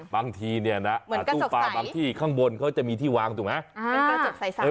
บางทีเนี่ยนะตู้ปลาบางที่ข้างบนเขาจะมีที่วางถูกไหม